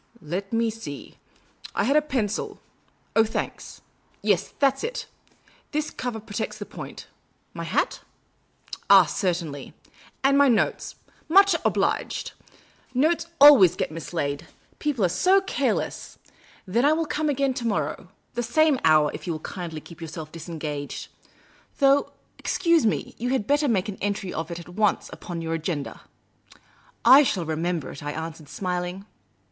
" Let me see ; I had a pencil ; oh, thanks ; yes, that is it. This cover protects the point. My hat ? Ah, certainly. And my notes ; much obliged ; notes always get mislaid. People are so careless. Then I will come again to The Urbane Old Gentleman i6i morrow ; the same hour, if you will kindl)' keep yourself disengaged. Though, excuse me, you had better make an entry of it at once upon your agenda." " I shall remember it,*' I answered, smiling.